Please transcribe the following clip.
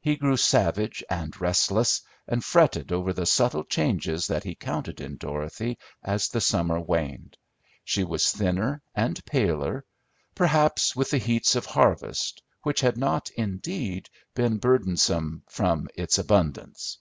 He grew savage and restless, and fretted over the subtle changes that he counted in Dorothy as the summer waned. She was thinner and paler; perhaps with the heats of harvest, which had not, indeed, been burdensome from its abundance.